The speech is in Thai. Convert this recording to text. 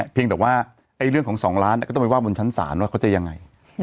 เพียงแต่ว่าเรื่องของ๒ล้านก็ต้องไปว่าบนชั้นศาลว่าเขาจะยังไง